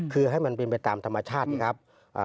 คือให้มันเป็นไปตามธรรมชาตินะครับ